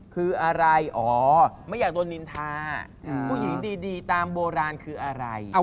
คืออะไรอ๋อไม่อยากโดนนินทาผู้หญิงดีตามโบราณคืออะไร